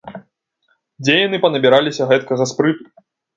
Дзе яны панабіраліся гэткага спрыту!